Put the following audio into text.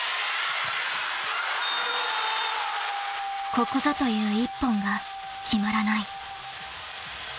［ここぞという一本が決まらない］